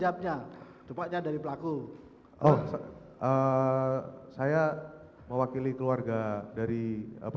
jangan sampai lihat video ini